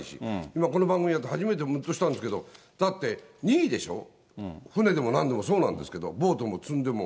今この番組やってて、初めてむっとしたんですけれども、だって、任意でしょ、船でもなんでもそうなんですけど、ボートを積むのも。